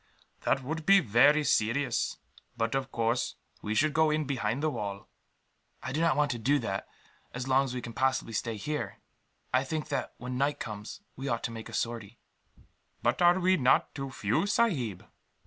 "That would be very serious; but of course we should go in behind the wall." "I do not want to do that, as long as we can possibly stay here. I think that, when night comes, we ought to make a sortie." "But are we not too few, sahib?"